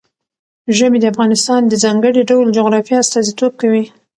ژبې د افغانستان د ځانګړي ډول جغرافیه استازیتوب کوي.